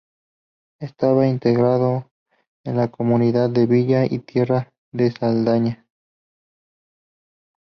Estaba integrado en la Comunidad de Villa y Tierra de Saldaña.